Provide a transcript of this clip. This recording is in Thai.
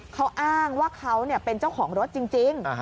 เขาอ้างว่าเขาเป็นเจ้าของรถจริง